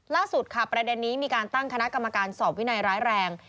ล่าสุดค่ะประเด็นนี้มีการตั้งคณะกรรมการสอบวินัยร้ายแรง